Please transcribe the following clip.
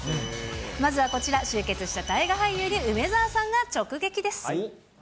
まずはこちら大河俳優に梅澤さんが直撃です。